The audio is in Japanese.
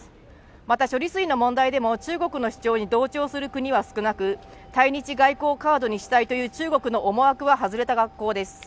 また処理水の問題でも中国の主張に同調する国は少なく対日外交カードにしたいという中国の思惑は外れた格好です